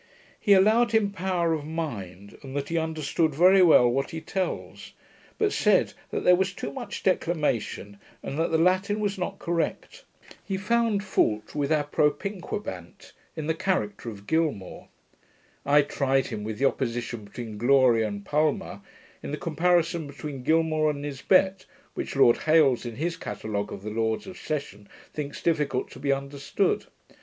He allowed him power of mind, and that he understood very well what he tells; but said, that there was too much declamation, and that the Latin was not correct. He found fault with approprinquabant, in the character of Gilmour. I tried him with the opposition between gloria and palma, in the comparison between Gilmour and Nisbet, which Lord Hailes, in his Catalogue of the Lords of Session, thinks difficult to be understood.